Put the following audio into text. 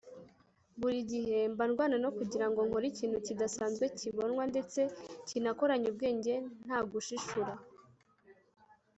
Buri gihe mba ndwana no kugira ngo nkore ikintu kidasanzwe kibonwa ndetse kinakoranye ubwenge nta gushishura